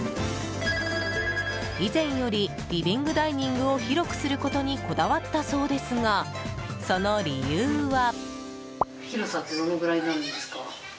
以前より、リビングダイニングを広くすることにこだわったそうですがその理由は。